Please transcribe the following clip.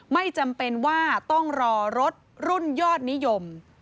ไม่จำเป็นว่าต้องรอรถรุ่นยอดนิยม